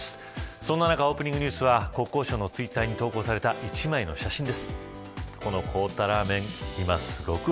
そんな中オープニングニュースは国交省のツイッターに投稿された一枚の写真です。